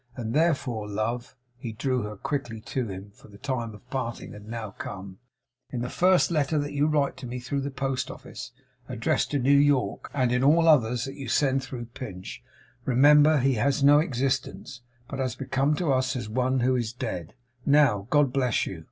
And therefore, love' he drew her quickly to him, for the time of parting had now come 'in the first letter that you write to me through the Post Office, addressed to New York; and in all the others that you send through Pinch; remember he has no existence, but has become to us as one who is dead. Now, God bless you!